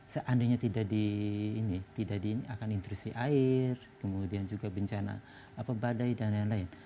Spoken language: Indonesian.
seandainya tidak di ini tidak di ini akan intrusi air kemudian juga bencana apa badai dan lain lain